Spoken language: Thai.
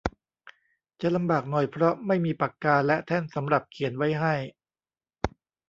จะลำบากหน่อยเพราะไม่มีปากกาและแท่นสำหรับเขียนไว้ให้